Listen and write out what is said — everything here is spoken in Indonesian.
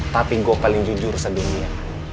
tapi gue paling jujur sedunia